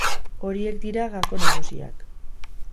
Horiek dira gako nagusiak.